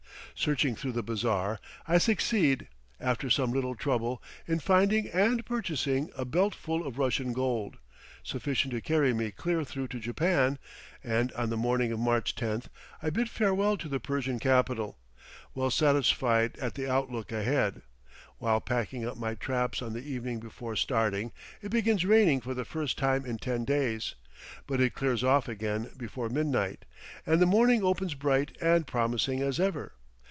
Searching through the bazaar, I succeed, after some little trouble, in finding and purchasing a belt full of Russian gold, sufficient to carry me clear through to Japan; and on the morning of March 10th I bid farewell to the Persian capital, well satisfied at the outlook ahead. While packing up my traps on the evening before starting, it begins raining for the first time in ten days; but it clears off again before midnight, and the morning opens bright and promising as ever.